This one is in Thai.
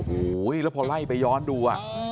โอ้โหแล้วพอไล่ไปย้อนดู